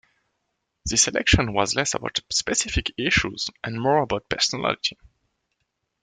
The election was less about specific issues and more about personality.